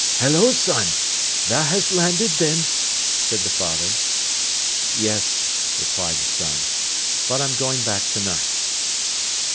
"Hello, son! Tha has landed, then?" said the father. "Yes," replied the son. "But I'm going back to night."